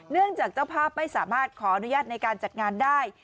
จากเจ้าภาพไม่สามารถขออนุญาตในการจัดงานได้